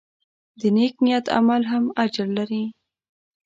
د نیک نیت عمل هم اجر لري.